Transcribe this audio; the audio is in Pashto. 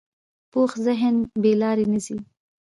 پوخ ذهن بې لارې نه ځي